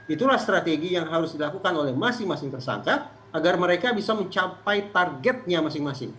itulah strategi yang harus dilakukan oleh masing masing tersangka agar mereka bisa mencapai targetnya masing masing